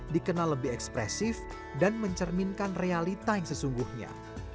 dikenal lebih ekspresif dan mencerminkan realita yang sesungguhnya